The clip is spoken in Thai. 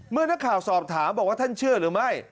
เมื่อนักข่าวสอบถามบอกว่าท่านเชื่อหรือไม่